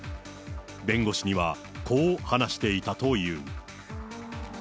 弁護士には、こう話していたという。